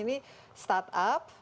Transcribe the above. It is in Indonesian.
ini start up